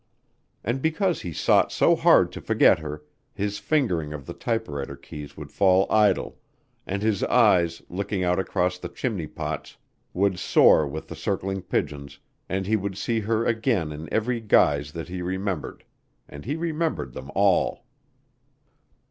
And because he sought so hard to forget her, his fingering of the typewriter keys would fall idle, and his eyes, looking out across the chimney pots, would soar with the circling pigeons, and he would see her again in every guise that he remembered and he remembered them all.